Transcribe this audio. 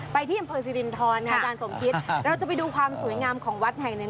ที่อำเภอสิรินทรอาจารย์สมคิตเราจะไปดูความสวยงามของวัดแห่งหนึ่ง